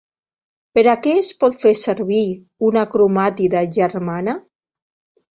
Per a què es pot fer servir una cromàtide germana?